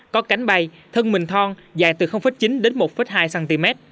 có cánh bay thân mình thong dài từ chín đến một hai cm